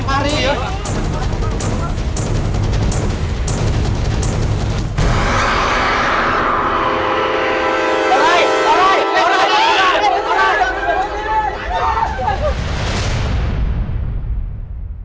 sekarang kita meraikan